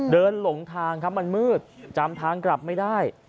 หลงทางครับมันมืดจำทางกลับไม่ได้